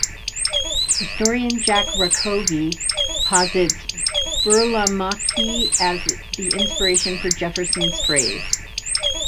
Historian Jack Rakove posits Burlamaqui as the inspiration for Jefferson's phrase.